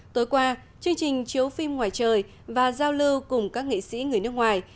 tối qua chương trình chiếu phim ngoài trời và giao lưu cùng các nghệ sĩ người nước ngoài